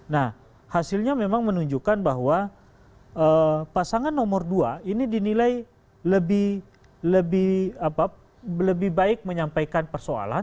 nah hasilnya memang menunjukkan bahwa pasangan nomor dua ini dinilai lebih baik menyampaikan persoalan